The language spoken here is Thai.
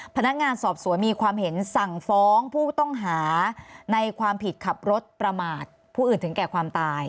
พนักงานสอบสวนมีความเห็นสั่งฟ้องผู้ต้องหาในความผิดขับรถประมาทผู้อื่นถึงแก่ความตาย